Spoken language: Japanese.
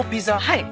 はい。